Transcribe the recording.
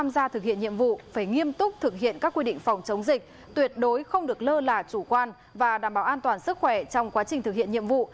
để thực hiện các quy định phòng chống dịch tuyệt đối không được lơ là chủ quan và đảm bảo an toàn sức khỏe trong quá trình thực hiện nhiệm vụ